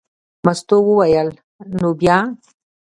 مستو وویل: نو بیا.